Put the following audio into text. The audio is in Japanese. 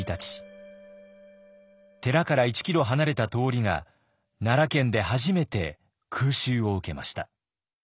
寺から１キロ離れた通りが奈良県で初めて空襲を受けました。